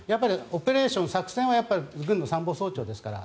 オペレーション、作戦は軍の参謀総長ですから。